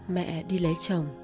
mẹ đi lấy chồng